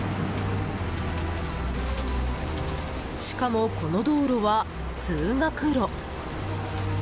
しかも、この道路は通学路。